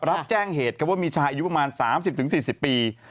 รับแจ้งเหตุครับว่ามีชายอายุประมาณ๓๐๔๐ปี